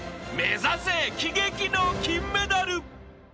［目指せ喜劇の金メダル！］